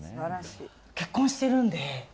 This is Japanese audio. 結婚してるので。